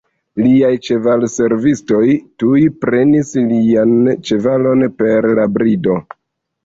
Liaj ĉevalservistoj tuj prenis lian ĉevalon per la brido.